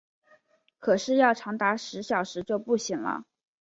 可是要长达十小时就不行了